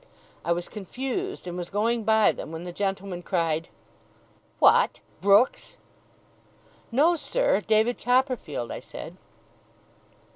I was confused, and was going by them, when the gentleman cried: 'What! Brooks!' 'No, sir, David Copperfield,' I said.